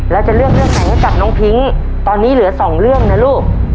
แล้วจะเลือกเรื่องไหนให้กับน้องพิ้งตอนนี้เหลือสองเรื่องนะลูก